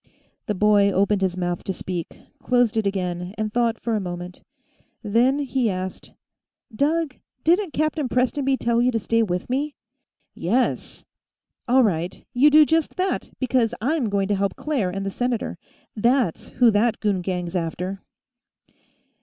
The boy opened his mouth to speak, closed it again, and thought for a moment. Then he asked: "Doug, didn't Captain Prestonby tell you to stay with me?" "Yes " "All right. You do just that, because I'm going to help Claire and the senator. That's who that goon gang's after."